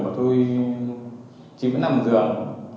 bảo tôi chị vẫn nằm ở giường